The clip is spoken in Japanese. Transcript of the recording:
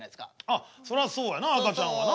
ああそらそうやな赤ちゃんはな。